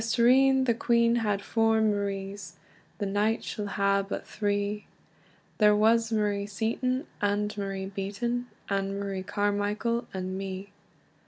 "Yestreen the queen had four Maries, The night she'll hae but three; There was Marie Seaton, and Marie Beaten, And Marie Carmichael, and me.